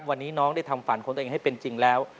วันนี้น้องได้ทำฝันของตัวเองให้เป็นจริงแล้ว